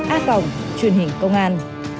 a truyền hình công an